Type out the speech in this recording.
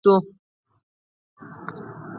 د ارشیفونو ساتنه یو نوی مسلک شو.